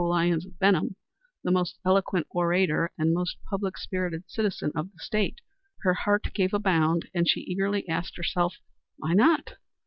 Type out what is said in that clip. Lyons of Benham, the most eloquent orator and most public spirited citizen of the State" her heart gave a bound, and she eagerly asked herself, "Why not?"